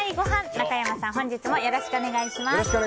中山さん、本日もよろしくお願いします！